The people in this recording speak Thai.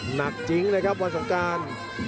หนักจริงเลยครับวันสงกราศ